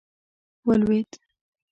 ولوېد.